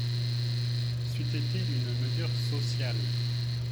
C’eût été une mesure sociale